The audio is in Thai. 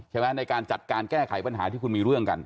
ในการจัดการแก้ไขปัญหาที่คุณมีเรื่องกัน